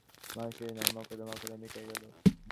ম্যাজিস্ট্রেটের নামে মকদ্দমা অকস্মাৎ মিটিয়া গেল।